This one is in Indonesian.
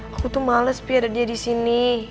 aku tuh males pi ada dia disini